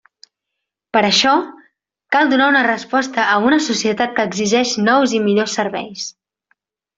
Per això, cal donar una resposta a una societat que exigeix nous i millors serveis.